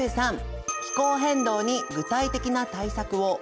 「気候変動に具体的な対策を」。